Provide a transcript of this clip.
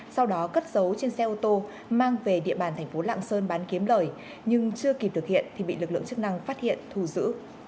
sau đó cất dấu trên xe ô tô mang về địa bàn thành phố lạng sơn bán kiếm lời nhưng chưa kịp thực hiện thì bị lực lượng chức năng phát hiện thu giữ